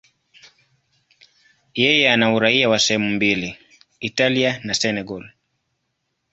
Yeye ana uraia wa sehemu mbili, Italia na Senegal.